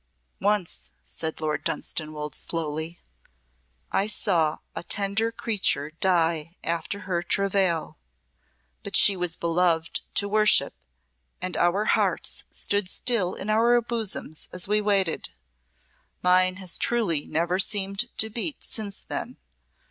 "Once," said Lord Dunstanwolde, slowly, "I saw a tender creature die after her travail but she was beloved to worship, and our hearts stood still in our bosoms as we waited. Mine has truly never seemed to beat since then.